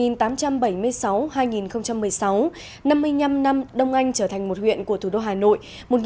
một nghìn tám trăm bảy mươi sáu hai nghìn một mươi sáu năm mươi năm năm đông anh trở thành một huyện của thủ đô hà nội